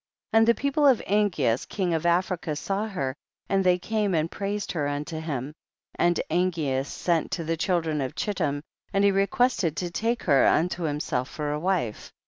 9. And the people of Angeas king of Africa saw her and they came and praised her unto him, and Angeas sent to the children of Chittim, and he requested to take her unto him self for a wife.